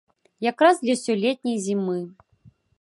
Якраз для сёлетняй зімы!